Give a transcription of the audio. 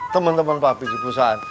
temen temen pak pi di perusahaan